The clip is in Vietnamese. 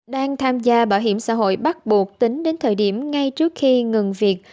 đang tham gia bảo hiểm xã hội bắt buộc tính đến thời điểm ngay trước khi ngừng việc